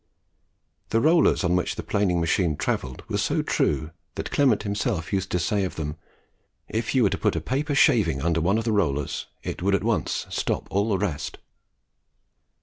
The rollers on which the planing machine travelled were so true, that Clement himself used to say of them, "If you were to put but a paper shaving under one of the rollers, it would at once stop all the rest."